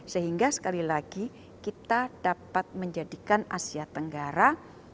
sehingga sekali lagi kita dapat menjadikan asia tenggara